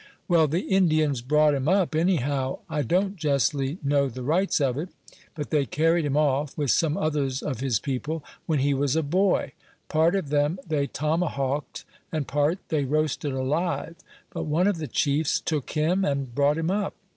"Well, the Indians brought him up, anyhow. I don't jestly know the rights of it; but they carried him off, with some others of his people, when he was a boy; part of them they tomahawked, and part they roasted alive; but one of the chiefs took him, and brought him up.